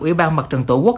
ủy ban mặt trận tổ quốc